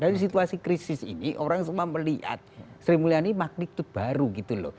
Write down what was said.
dari situasi krisis ini orang semua melihat sri mulyani magnitude baru gitu loh